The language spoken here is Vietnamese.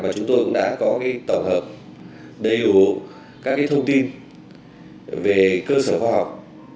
và chúng tôi cũng đã có tổng hợp đầy đủ các thông tin về cơ sở khoa học